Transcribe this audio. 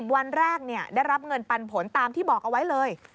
วันแรกได้รับเงินปันผลตามที่บอกเอาไว้เลย